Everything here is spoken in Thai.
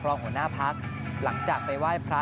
รองหัวหน้าพักหลังจากไปไหว้พระ